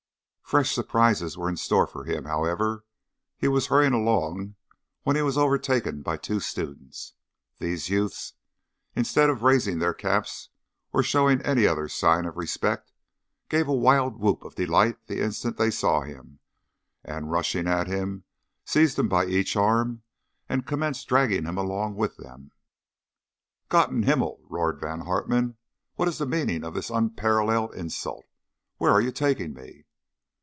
Fresh surprises were in store for him, however. He was hurrying along when he was overtaken by two students. These youths, instead of raising their caps or showing any other sign of respect, gave a wild whoop of delight the instant that they saw him, and rushing at him, seized him by each arm and commenced dragging him along with them. "Gott in himmel!" roared Von Hartmann. "What is the meaning of this unparalleled insult? Where are you taking me?"